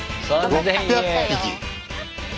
６００匹！